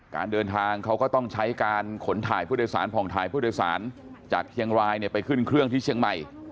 การเดินทางเขาก็ต้องใช้การขนถ่ายผู้โดยสารผ่องถ่ายผู้โดยสารจากเชียงรายเนี่ยไปขึ้นเครื่องที่เชียงใหม่